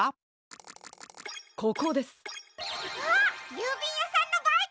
ゆうびんやさんのバイクだ！